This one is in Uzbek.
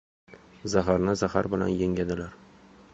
• Zaharni zahar bilan yengadilar.